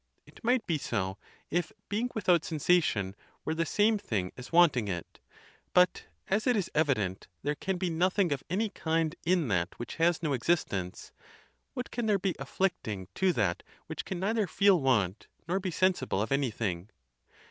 It might be so if being without sensation were the same thing as wanting it; but as it is evident there can be nothing "of any kind in that which has no existence, what can there be afflicting to that which can neither feel want nor be sensible of anything?